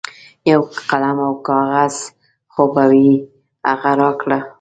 یو قلم او کاغذ خو به وي هغه راکړه.